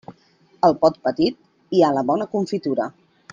Al pot petit hi ha la bona confitura.